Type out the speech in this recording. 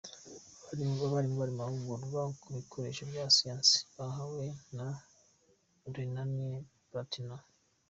Abarimu bari mu mahugurwa ku bikoresho bya science bahawe na Rhenanie Palatinat.